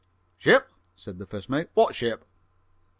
"Ship!" said the first mate. "What ship?"